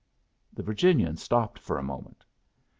The Virginian stopped for a moment.